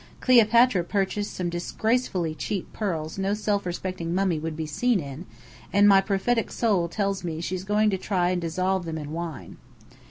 Cleopatra purchased some disgracefully cheap pearls no self respecting mummy would be seen in; and my prophetic soul tells me that she's going to try and dissolve them in wine.